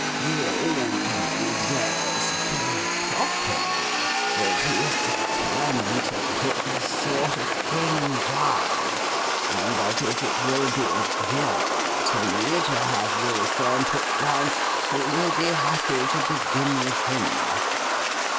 The Alderman observes (very properly) that he is determined to put this sort of thing down; and that if it will be agreeable to me to have Will Fern put down, he will be happy to begin with him.